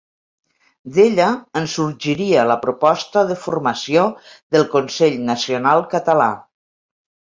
D'ella en sorgiria la proposta de formació del Consell Nacional Català.